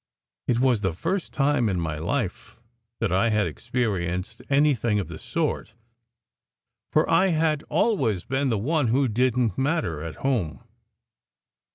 It was the first time in my life that I had experienced anything of the sort, for I had always been the one who didn t matter, at home.